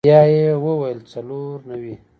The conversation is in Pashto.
بيا يې وويل څلور نوي.